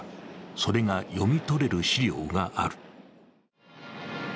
それが読み取れる資料がある。